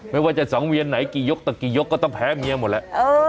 ไม่ว่าจะสังเวียนไหนกี่ยกต่อกี่ยกก็ต้องแพ้เมียหมดแล้ว